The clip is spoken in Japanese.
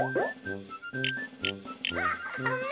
あっあめ！